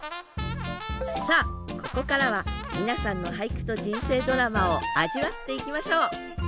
さあここからは皆さんの俳句と人生ドラマを味わっていきましょう！